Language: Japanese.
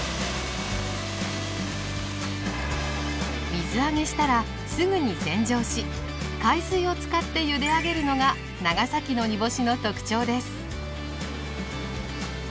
水揚げしたらすぐに洗浄し海水を使ってゆで上げるのが長崎の煮干しの特徴です。